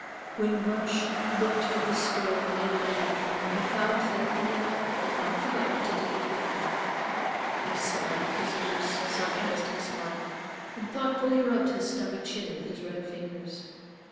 When Wunsch looked for his score late that afternoon, he found that Thea had not forgotten to take it with her. He smiled his loose, sarcastic smile, and thoughtfully rubbed his stubbly chin with his red fingers.